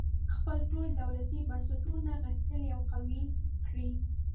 خپل ټول دولتي بنسټونه غښتلي او قوي کړي.